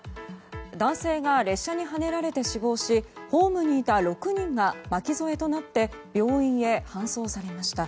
男性が列車にはねられて死亡しホームにいた６人が巻き添えとなって病院へ搬送されました。